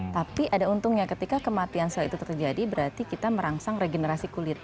tapi ada untungnya ketika kematian sel itu terjadi berarti kita merangsang regenerasi kulit